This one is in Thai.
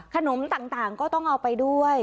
ขนมต่างก็ต้องเอาไปด้วย